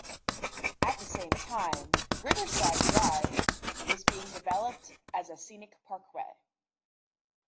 At the same time, Riverside Drive was being developed as a scenic parkway.